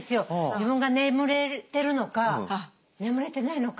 自分が眠れてるのか眠れてないのか。